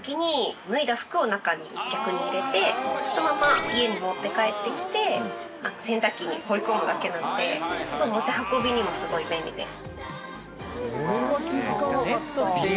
そのまま家に持って帰ってきて洗濯機に放り込むだけなので持ち運びにもすごい便利です。